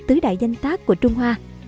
tứ đại danh tác của trung hoa